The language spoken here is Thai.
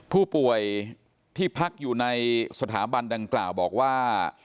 ผู้ป่วยที่พักอยู่ในสถาบันดังกล่าวบอกว่า